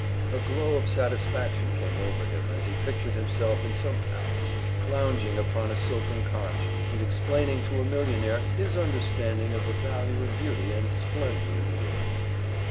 A glow of satisfaction came over him as he pictured himself in some palace, lounging upon a silken conch and explaining to a millionaire his understanding of the value of beauty and splendor in the world.